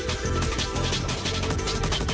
พบแล้วครับ